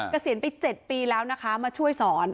เกษียณไป๗ปีแล้วนะคะมาช่วยสอน